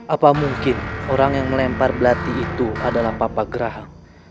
apa mungkin orang yang melempar belati itu adalah papa gerah